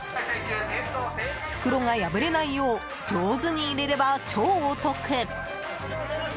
袋が破れないよう上手に入れれば、超お得。